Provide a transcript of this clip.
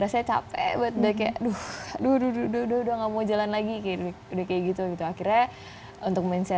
sesaat lagi dalam insight